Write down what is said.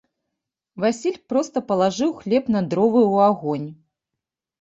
Васіль проста палажыў хлеб на дровы ў агонь.